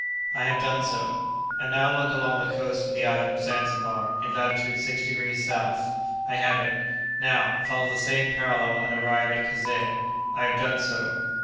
"I have done so." "And now look along the coast for the island of Zanzibar, in latitude six degrees south." "I have it." "Now, follow the same parallel and arrive at Kazeh." "I have done so."